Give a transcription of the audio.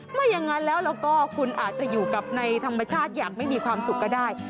ไม่อย่างนั้นแล้วแล้วก็คุณอาจจะอยู่กับในธรรมชาติอย่างไม่มีความสุขก็ได้